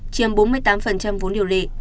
chiếm bốn mươi tám vốn điều lệ